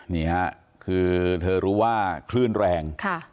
นี่ค่ะคือเธอรู้ว่าคลื่นแรง